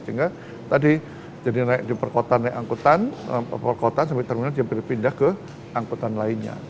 sehingga tadi dari naik di perkotan naik angkutan perkotan sampai terminal diambil pindah ke angkutan lainnya